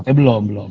tapi belum belum